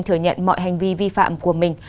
thừa nhận mọi hành vi vi phạm của mình